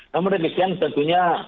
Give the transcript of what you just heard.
namun demikian tentunya